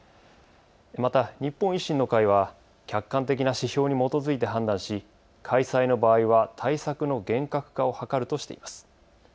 また日本維新の会は客観的な指標に基づいて判断し開催の場合は対策の厳格化を図るとしています。